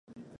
だが断る